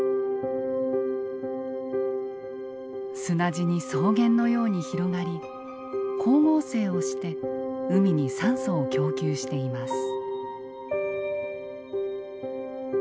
砂地に草原のように広がり光合成をして海に酸素を供給しています。